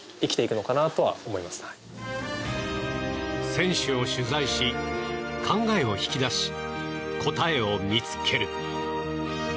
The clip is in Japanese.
選手を取材し考えを引き出し答えを見つける。